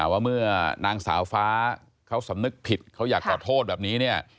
ว่าเมื่อนางสาวฟ้าเขาสำนึกผิดเขาอยากขอโทษแบบนี้เนี่ย